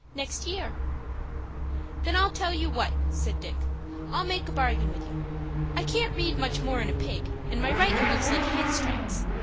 "Then I'll tell you what," said Dick; "I'll make a bargain with you. I can't read much more'n a pig; and my writin' looks like hens' tracks.